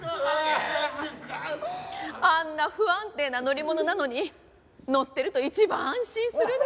あんな不安定な乗り物なのに乗ってると一番安心するって。